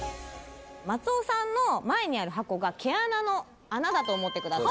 松尾さんの前にある箱が毛穴の穴だと思ってください